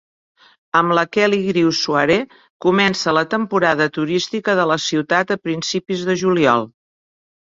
Amb la Kelligrews Soiree, comença la temporada turística de la ciutat a principis de juliol.